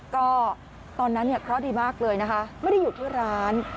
ก็ตอนนั้นเนี่ยเคราะห์ดีมากเลยนะคะไม่ได้อยู่ที่ร้าน